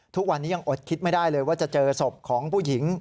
ทุกวันนี้ยังอดคิดไม่ได้เลยว่าจะเจอศพของผู้หญิง